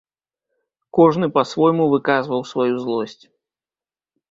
Кожны па-свойму выказваў сваю злосць.